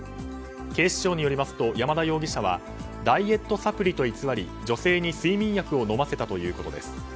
警視庁によりますと山田容疑者はダイエットサプリと偽り女性に睡眠薬を飲ませたということです。